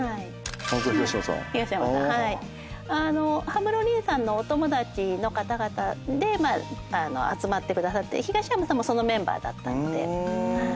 葉室麟さんのお友達の方々で集まってくださって東山さんもそのメンバーだったので。